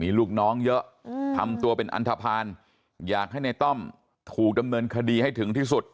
มีลูกน้องเยอะทำตัวเป็นอันทภาณอยากให้ในต้อมถูกดำเนินคดีให้ถึงที่สุด